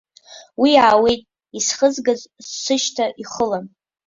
Уи аауеит, исхызгаз, сышьҭа ихылан.